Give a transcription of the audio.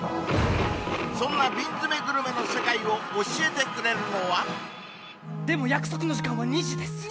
そんな瓶詰グルメの世界を教えてくれるのはでも約束の時間は２時です